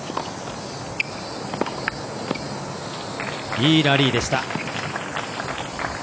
いいラリーでした。